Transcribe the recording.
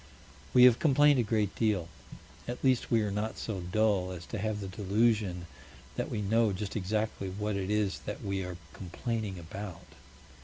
We have complained a great deal. At least we are not so dull as to have the delusion that we know just exactly what it is that we are complaining about.